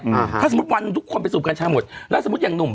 อ่าถ้าสมมุติวันทุกคนไปสูบกัญชาหมดแล้วสมมุติอย่างหนุ่ม